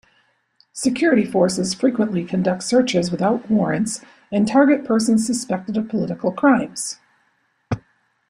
Security forces frequently conduct searches without warrants and target persons suspected of political crimes.